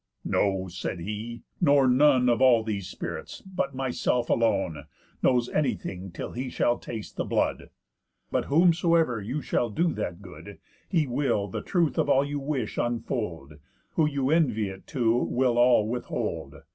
'No,' said he, 'nor none Of all these spirits, but myself alone, Knows anything till he shall taste the blood. But whomsoever you shall do that good, He will the truth of all you wish unfold; Who you envy it to will all withhold.